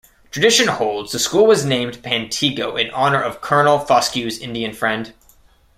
Tradition holds the school was named Pantego in honor of Colonel Foscue's Indian friend.